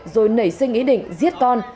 rồi nảy sinh ý định giết con